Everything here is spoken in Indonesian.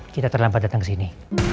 kita terlambat datang ke sini